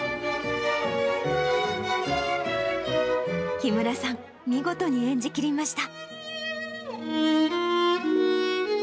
木村さん、見事に演じきりました。